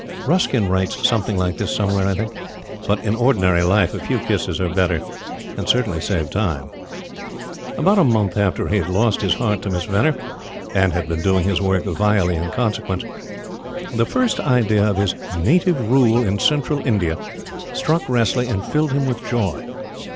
Ruskin writes something like this somewhere, I think; but in ordinary life a few kisses are better and save time. About a month after he had lost his heart to Miss Venner, and had been doing his work vilely in consequence, the first idea of his "Native Rule in Central India" struck Wressley and filled him with joy.